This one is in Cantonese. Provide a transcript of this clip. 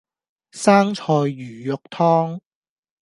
生菜魚肉湯